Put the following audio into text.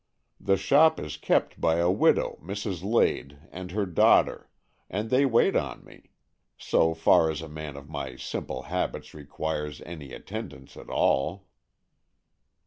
The shop is kept by a widow, Mrs. Lade, and her daughter, and they wait on me — so far as a man of my simple habits requires any attendance at all."